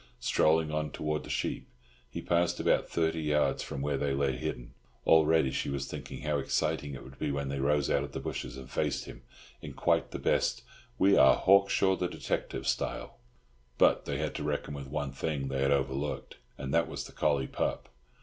Strolling on towards the sheep, he passed about thirty yards from where they lay hidden. Already she was thinking how exciting it would be when they rose out of the bushes, and faced him in quite the best "We are Hawkshaw, the detective" style. But they had to reckon with one thing they had overlooked, and that was the collie pup.